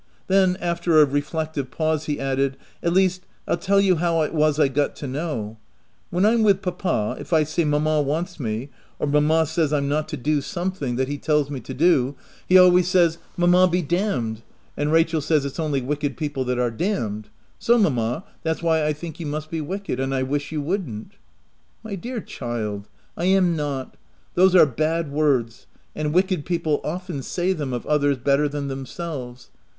Then, after a reflective pause, he added, " At least, 111 tell you how it was I got to know : when I'm with papa, if I say mamma wants me, or mamma says I'm not to do something that 56 THE TENANT he tells me to do — he always says, € Mamma be damned/ — and Rachel says it's only wicked people that are damned. So mamma, that's why I think you must be wicked — and I wish you wouldn't/' "My dear child, I am not. Those are bad words, and wicked people often say them of others better than themselves.